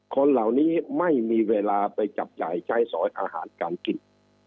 คนเหล่านี้ไม่มีเวลาไปจับจ่ายใช้สอยอาหารการกิน